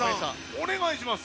お願いします。